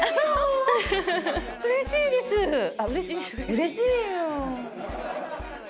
うれしいよ。